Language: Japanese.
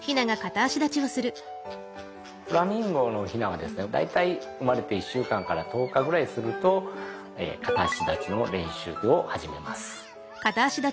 フラミンゴのヒナは大体生まれて１週間から１０日ぐらいすると片足立ちの練習を始めます。